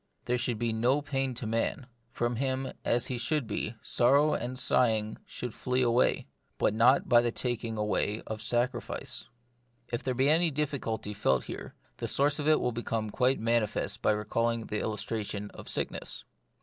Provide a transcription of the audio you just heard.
There should be no pain to man : from him, as he should be, sorrow and sighing should flee away — but not by the taking away of sacrifice. If there be any difficulty felt here, the source of it will become quite manifest by recalling the illustration of sickness.